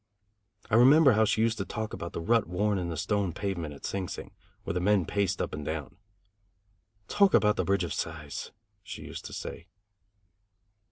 I remember how she used to talk about the rut worn in the stone pavement at Sing Sing, where the men paced up and down. "Talk about the Bridge of Sighs!" she used to say.